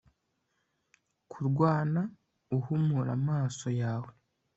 Kurwana uhumura amaso yawe